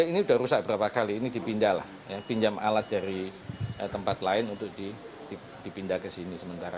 ini sudah rusak berapa kali ini dipindah lah ya pinjam alat dari tempat lain untuk dipindah ke sini sementara